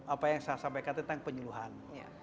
apa yang saya sampaikan tentang penyuluhan